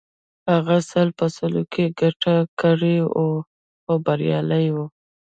هغه سل په سلو کې ګټه کړې وه او بریالی و